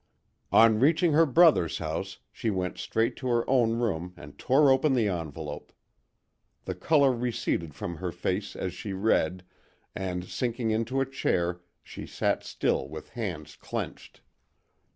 On reaching her brother's house she went straight to her own room and tore open the envelope. The colour receded from her face as she read, and sinking into a chair she sat still with hands clenched.